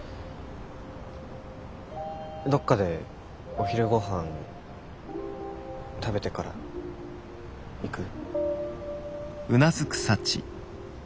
どっかでお昼ごはん食べてから行く？